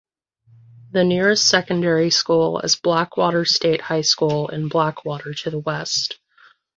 The nearest secondary school is Blackwater State High School in Blackwater to the west.